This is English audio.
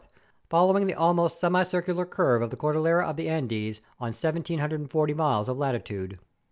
following the almost semicircular curve of the Cordillera of the Andes on 1740 miles of latitude.